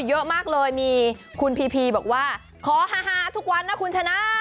เยอะมากเลยมีคุณพีพีบอกว่าขอฮาทุกวันนะคุณชนะ